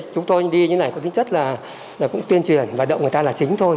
chúng tôi đi như này có tính chất là cũng tuyên truyền vận động người ta là chính thôi